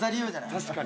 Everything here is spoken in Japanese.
確かに。